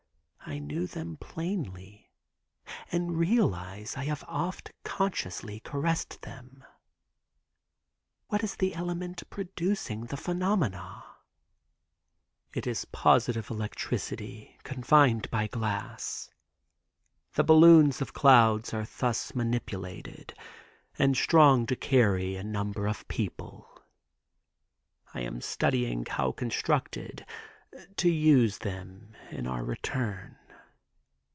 I knew them plainly and realize I have oft consciously caressed them. What is the element producing the phenomena?" "It is positive electricity confined by glass. The balloons of clouds are thus manipulated and strong to carry a number of people. I am studying how constructed, to use them in our return."